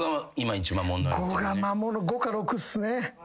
５が５か６っすね。